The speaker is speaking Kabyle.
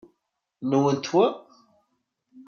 Nwent wa?